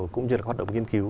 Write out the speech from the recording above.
cũng như là hoạt động nghiên cứu